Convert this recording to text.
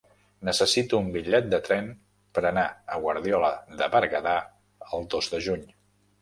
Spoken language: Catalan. Necessito un bitllet de tren per anar a Guardiola de Berguedà el dos de juny.